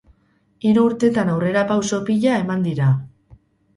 Hiru urtetan aurrerapauso pila eman dira.